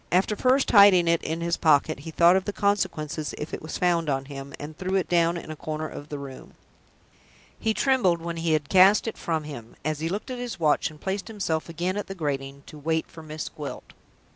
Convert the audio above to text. After first hiding it in his pocket, he thought of the consequences if it was found on him, and threw it down in a corner of the room. He trembled when he had cast it from him, as he looked at his watch and placed himself again at the grating to wait for Miss Gwilt.